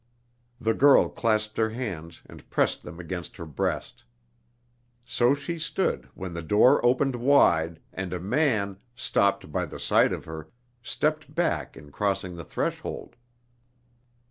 The girl clasped her hands, and pressed them against her breast. So she stood when the door opened wide, and a man, stopped by the sight of her, stepped back in crossing the threshold.